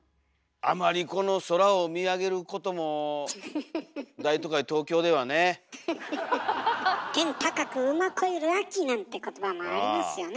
あまりこの空を見上げることも大都会東京ではね。なんて言葉もありますよね。